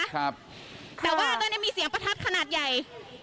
แต่ว่าตอนนี้มีเสียงประทัดขนาดใหญ่